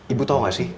ibu tau gak sih